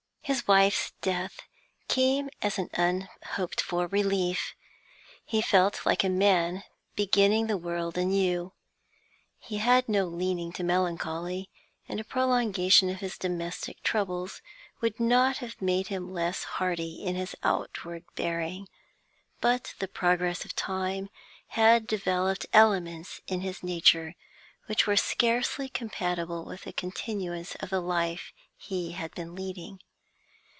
His wife's death came as an unhoped for relief; he felt like a man beginning the world anew. He had no leaning to melancholy, and a prolongation of his domestic troubles would not have made him less hearty in his outward bearing, but the progress of time had developed elements in his nature which were scarcely compatible with a continuance of the life he had been leading.